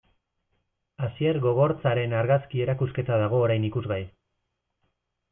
Asier Gogortzaren argazki erakusketa dago orain ikusgai.